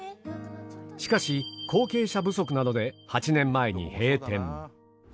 しかし後継者不足などで８年前に閉店。